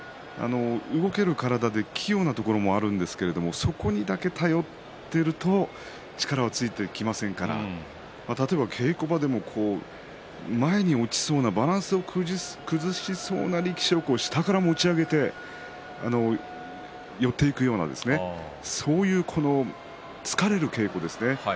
動ける体で、器用なところもあるんですが、そこにだけ頼っていると力はついてきませんから例えば稽古場でも前に落ちそうなバランスを崩しそうな力士を下から持ち上げて寄っていくようなそういう疲れる稽古ですね。